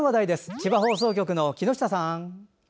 千葉放送局の木下さん。